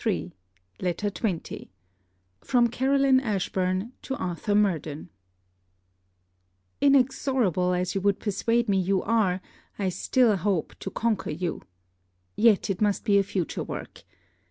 ARTHUR MURDEN LETTER XX FROM CAROLINE ASHBURN TO ARTHUR MURDEN Inexorable as you would persuade me you are, still I hope to conquer you. Yet, it must be a future work.